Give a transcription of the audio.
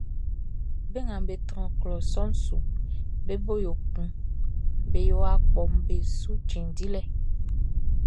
Be nga be tran klɔ sɔʼn suʼn, be bo yo kun be yo akpɔʼm be su cɛn dilɛ.